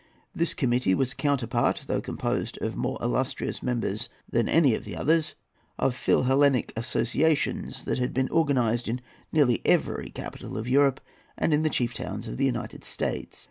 This committee was a counterpart—though composed of more illustrious members than any of the others—of Philhellenic associations that had been organized in nearly every capital of Europe and in the chief towns of the United States.